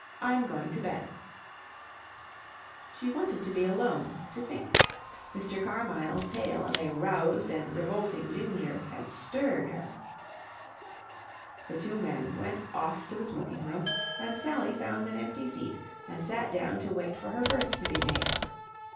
"I'm going to bed." She wanted to be alone, to think. Mr. Carmyle's tale of a roused and revolting Ginger had stirred her. The two men went off to the smoking room, and Sally found an empty seat and sat down to wait for her berth to be made up.